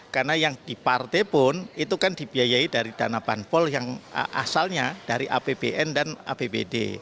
karena yang di partai pun itu kan dibiayai dari dana banpol yang asalnya dari apbn dan apbd